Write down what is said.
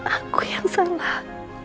aku yang salah